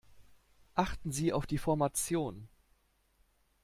Achten Sie auf die Formation.